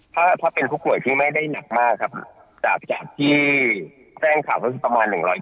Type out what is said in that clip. ถ้าเป็นผู้ป่วยที่ไม่ได้หนักมากครับจากที่แจ้งข่าวประมาณ๑๐๐เจียง